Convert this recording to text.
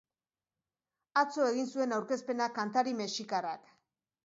Atzo egin zuen aurkezpena kantari mexikarrak.